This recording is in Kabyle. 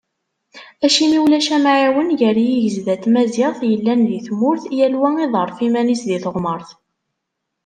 Acimi ulac amɛiwen gar yigezda n tmaziɣt yellan di tmurt, yal wa iḍerref iman-is di teɣmart?